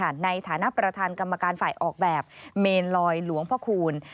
ในฐานะประธานกรรมการฝ่ายออกแบบเมนลอยหลวงพระคูณ